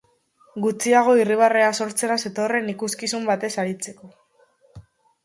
Gutxiago irribarrea sortzera zetorren ikuskizun batez aritzeko.